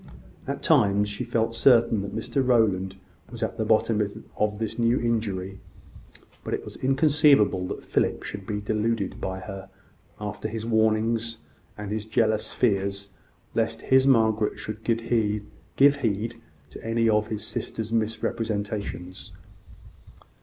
At times she felt certain that Mrs Rowland was at the bottom of this new injury: but it was inconceivable that Philip should be deluded by her, after his warnings, and his jealous fears lest his Margaret should give heed to any of his sister's misrepresentations.